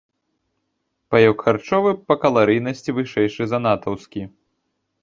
Паёк харчовы па каларыйнасці вышэйшы за натаўскі.